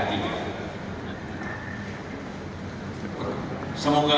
semoga diberi kemampuan